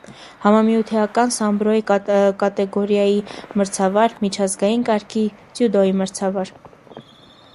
Համամիութենական սամբոյի կատեգորիայի մրցավար, միջազգային կարգի ձյուդոյի մրցավար։